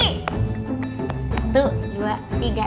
satu dua tiga